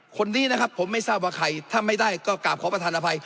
คนนี้นะครับผมไม่ทราบว่าใครถ้าไม่ได้ก็กราบขอประธานอภัย